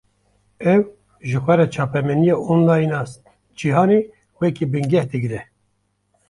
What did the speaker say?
Ew, ji xwe re çapemeniya online a cîhanê, wekî bingeh digre